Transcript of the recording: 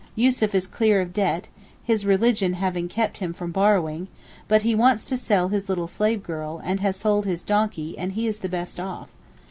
Yussuf is clear of debt, his religion having kept him from borrowing, but he wants to sell his little slave girl, and has sold his donkey, and he is the best off.